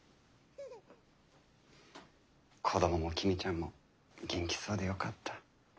子どもも公ちゃんも元気そうでよかった。